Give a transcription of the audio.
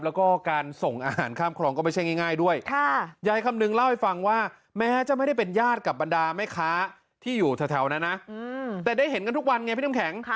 แล้วก็การส่งอาหารข้ามคลองก็ไม่ใช่ง่ายด้วยยายคำนึงเล่าให้ฟังว่าแม้จะไม่ได้เป็นญาติกับบรรดาแม่ค้าที่อยู่แถวนั้นนะแต่ได้เห็นกันทุกวันไงพี่น้ำแข็ง